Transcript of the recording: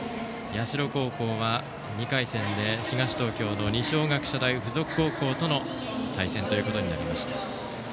社高校は２回戦で、東東京の二松学舎大付属高校との対戦ということになりました。